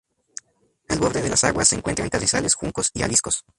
Al borde de las aguas se encuentran carrizales, juncos y alisos.